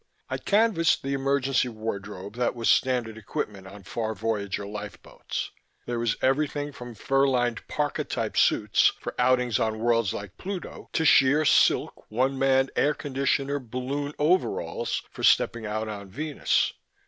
I canvassed the emergency wardrobe that was standard equipment on Far Voyager lifeboats. There was everything from fur lined parka type suits for outings on worlds like Pluto to sheer silk one man air conditioner balloon over alls for stepping out on Venus.